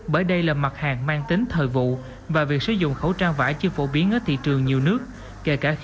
bởi đây là mặt hàng mang tính thời vụ và việc sử dụng khẩu trang vải chưa phổ biến ở thị trường nhiều nước kể cả khi dịch covid một mươi chín đang hoàn hành